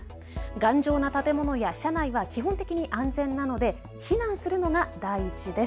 頑丈な建物や車内は基本的に安全なので避難するのは第一です。